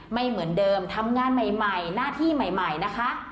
ไม่เหมือนเดิมทำงานใหม่หน้าที่ใหม่นะคะ